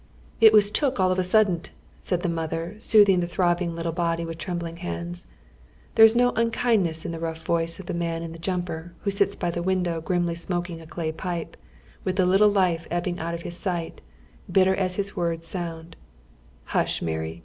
"It was took all of a suddiut," says the inother, sinooth iiig the throbbing little body with trembling hands. Tliere is no iinkiiidneas in the rough voice of the man in the jumper, who sits by tlie window grimly smoking a ehiy pipe, with the little life ebbuig out in iiia sight, bitter as his words sound :" llueh, Mary